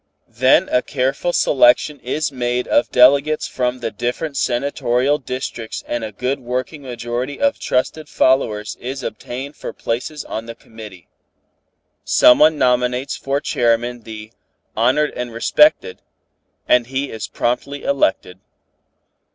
Then a careful selection is made of delegates from the different senatorial districts and a good working majority of trusted followers is obtained for places on the committee. Someone nominates for chairman the 'honored and respected' and he is promptly elected.